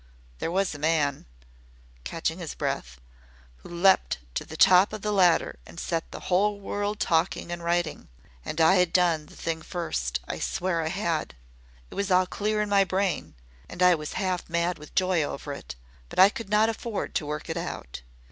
"There was a man," catching his breath, "who leaped to the top of the ladder and set the whole world talking and writing and I had done the thing FIRST I swear I had! It was all clear in my brain, and I was half mad with joy over it, but I could not afford to work it out.